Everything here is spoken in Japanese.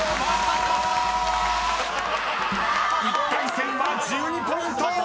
［１回戦は１２ポイント！］